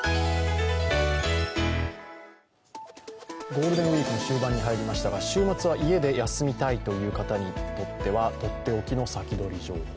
ゴールデンウイークも終盤に入りましたが週末は家で休みたいという方にとっては、とっておきの先取り情報。